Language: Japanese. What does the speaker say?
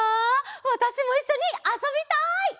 わたしもいっしょにあそびたい！